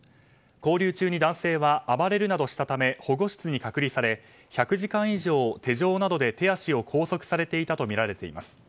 勾留中に男性は暴れるなどしたため保護室などに隔離され１００時間以上手錠などで手足を拘束されていたとみられています。